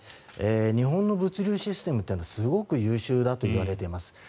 日本の物流システムはすごく優秀だといわれています。